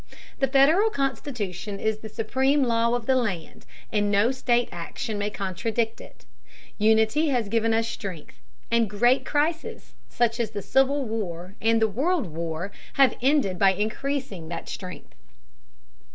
The Federal Constitution is the supreme law of the land, and no state action may contradict it. Unity has given us strength, and great crises, such as the Civil War and the World War, have ended by increasing that strength.